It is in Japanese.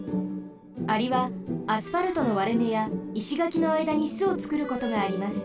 アリはアスファルトのわれめやいしがきのあいだにすをつくることがあります。